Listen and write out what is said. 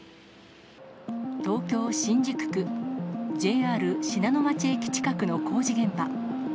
東京・新宿区、ＪＲ信濃町駅近くの工事現場。